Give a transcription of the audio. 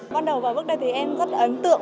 ban đầu vào bước đây thì em rất là ấn tượng